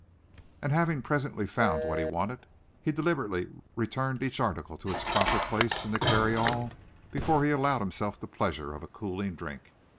And having presently found what he wanted, he deliberately returned each article to its proper place in the carryall before he allowed himself the pleasure of a cooling drink.